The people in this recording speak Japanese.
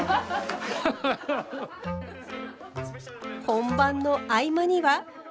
本番の合間には。